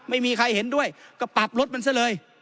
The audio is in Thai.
ไม่มีใครเห็นด้วยก็ปรับรถมันซะเลย